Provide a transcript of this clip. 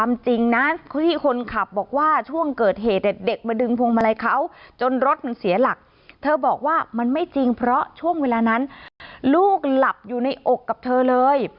มันเสียหลักเธอบอกว่ามันไม่จริงเพราะช่วงเวลานั้นลูกหลับอยู่ในอกกับเธอเลย